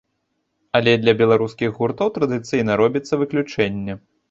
Але для беларускіх гуртоў традыцыйна робіцца выключэнне.